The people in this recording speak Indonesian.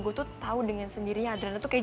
gue tuh tau dengan sendirinya adrena tuh kayak